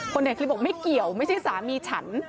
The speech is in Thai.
ในคลิปบอกไม่เกี่ยวไม่ใช่สามีฉัน